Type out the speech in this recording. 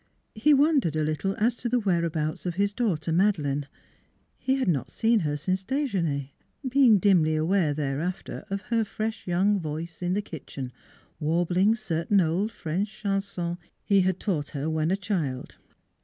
... He wondered a little as to the whereabouts of his daughter Madeleine. He had not seen her since dejeuner, being dimly aware thereafter of her fresh young voice in the kitchen warbling certain old French chansons he had taught her when a child.